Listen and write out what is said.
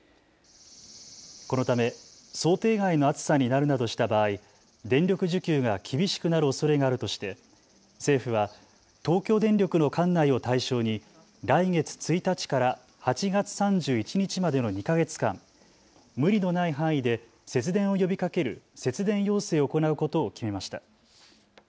このため想定外の暑さになるなどした場合、電力需給が厳しくなるおそれがあるとして政府は東京電力の管内を対象に来月１日から８月３１日までの２か月間、無理のない範囲で節電を呼びかける節電要請を行うことを決めました。